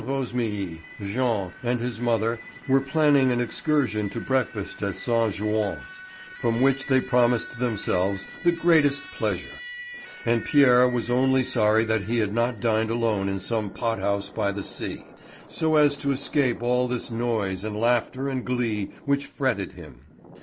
Rosémilly, Jean, and his mother were planning an excursion to breakfast at Saint Jouin, from which they promised themselves the greatest pleasure; and Pierre was only sorry that he had not dined alone in some pot house by the sea, so as to escape all this noise and laughter and glee which fretted him.